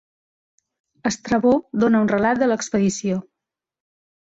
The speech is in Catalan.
Estrabó dóna un relat de l'expedició.